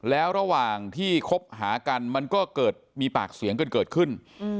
แล้วระหว่างที่คบหากันมันก็เกิดมีปากเสียงกันเกิดขึ้น